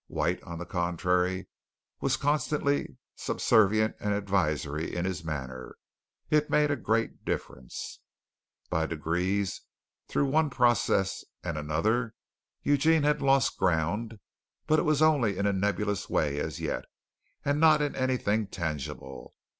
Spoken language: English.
White, on the contrary, was constantly subservient and advisory in his manner. It made a great difference. By degrees, through one process and another, Eugene had lost ground, but it was only in a nebulous way as yet, and not in anything tangible.